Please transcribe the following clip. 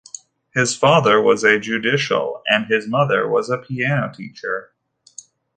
His father was a judicial and his mother was a piano teacher.